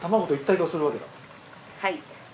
はい。